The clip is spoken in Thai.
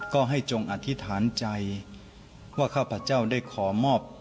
ก็ให้จงอธิษฐานใจว่าข้าพเจ้าได้ขอมอบ